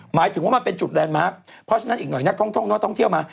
หมายถึงว่ามันเป็นจุดแลนดมาร์คเพราะฉะนั้นอีกหน่อยนักท่องนักท่องเที่ยวมา